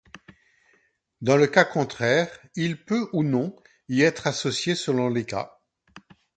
Dans le cas contraire, il peut ou non y être associé selon les cas.